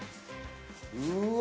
うわ！